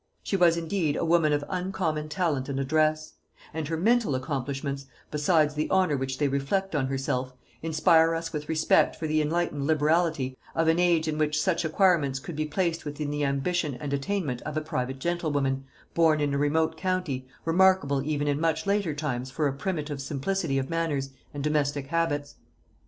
She was indeed a woman of uncommon talent and address; and her mental accomplishments, besides the honor which they reflect on herself, inspire us with respect for the enlightened liberality of an age in which such acquirements could be placed within the ambition and attainment of a private gentlewoman, born in a remote county, remarkable even in much later times for a primitive simplicity of manners and domestic habits.